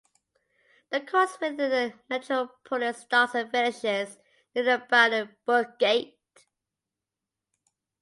The course within the metropolis starts and finishes near the Brandenburg Gate.